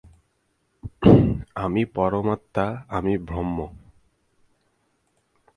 আমি পরমাত্মা, আমি ব্রহ্ম।